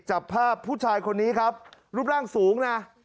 จับภาพผู้ชายคนนี้ครับรูปร่างสูงนะ